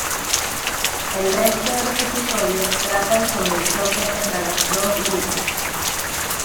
El resto de los episodios tratan sobre el choque entre los dos grupos.